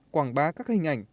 quảng bá các hình ảnh